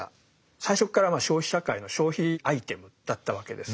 最初っから消費社会の消費アイテムだったわけです。